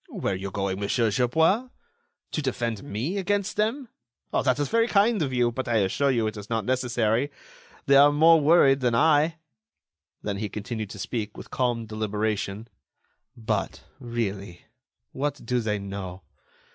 "Where are you going, Monsieur Gerbois? To defend me against them! That is very kind of you, but I assure you it is not necessary. They are more worried than I." Then he continued to speak, with calm deliberation: "But, really, what do they know?